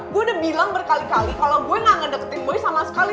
gue udah bilang berkali kali kalau gue gak deketin gue sama sekali